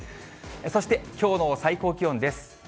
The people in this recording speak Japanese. そしてきょうの最高気温です。